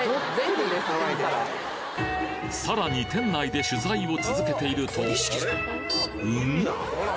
さらに店内で取材を続けているとうん？